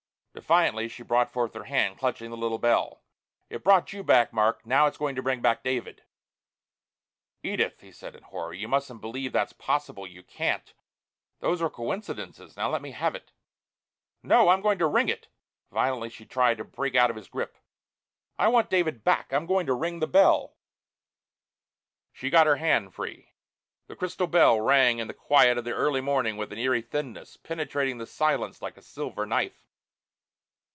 Defiantly she brought forth her hand, clutching the little bell. "It brought you back, Mark! Now it's going to bring back David!" "Edith!" he said in horror. "You mustn't believe that's possible. You can't. Those were coincidences. Now let me have it." "No! I'm going to ring it." Violently she tried to break out of his grip. "I want David back! I'm going to ring the bell!" She got her hand free. The crystal bell rang in the quiet of the early morning with an eerie thinness, penetrating the silence like a silver knife.